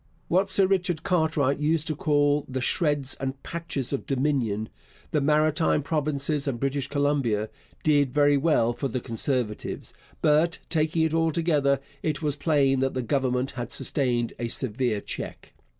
What Sir Richard Cartwright used to call 'the shreds and patches of the Dominion' the Maritime Provinces and British Columbia did very well for the Conservatives, but, taking it altogether, it was plain that the Government had sustained a severe check.